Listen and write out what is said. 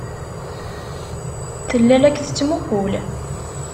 Tella la k-tettmuqqul.